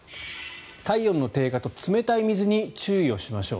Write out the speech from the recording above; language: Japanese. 体温の低下と冷たい水に注意しましょう。